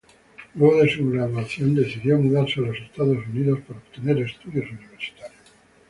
Luego de su graduación decidió mudarse a los Estados Unidos para obtener estudios universitarios.